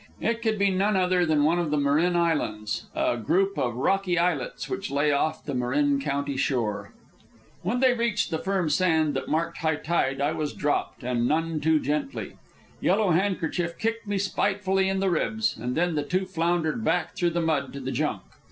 It could be none other than one of the Marin Islands, a group of rocky islets which lay off the Marin County shore. When they reached the firm sand that marked high tide, I was dropped, and none too gently. Yellow Handkerchief kicked me spitefully in the ribs, and then the trio floundered back through the mud to the junk.